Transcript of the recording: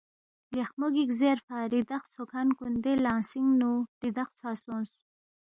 لیخمو گِک زیرفا ریدخ ژھوکھن کن دے لِنگسِنگ نُو ریدخ ژھوا سونگس